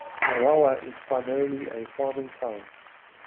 Morawa is primarily a farming town.